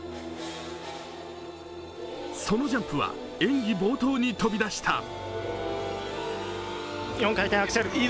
そのジャンプは演技冒頭に飛び出した。